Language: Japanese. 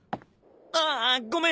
ああごめん！